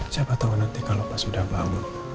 siapa tau nanti kalau pas udah bangun